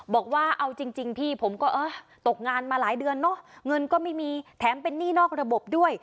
บอกว่าเอาจริงพี่ผมก็เออตกงานมาหลายเดือนเนอะเงินก็ไม่มีแถมเป็นหนี้นอกระบบด้วย